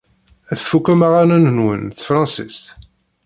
Tfukem aɣanen-nwen n tefṛensist?